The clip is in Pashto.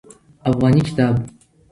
افغاني کتاب